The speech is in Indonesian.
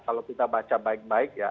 kalau kita baca baik baik ya